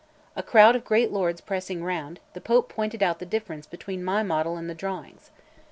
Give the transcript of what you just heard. A crowd of great lords pressing round, the Pope pointed out the difference between my model and the drawings.